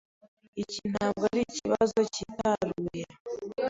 Iki ntabwo ari ikibazo cyitaruye.